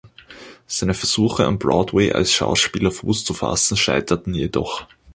Seine Versuche, am Broadway als Schauspieler Fuß zu fassen, scheiterten jedoch.